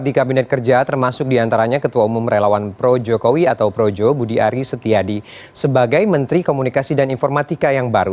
di kabinet kerja termasuk diantaranya ketua umum relawan pro jokowi atau projo budi ari setiadi sebagai menteri komunikasi dan informatika yang baru